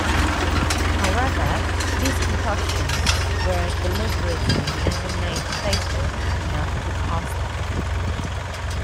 However, these concoctions were deliberately never made fatal enough to cause death.